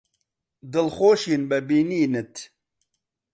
دڵخۆشین بە بینینت.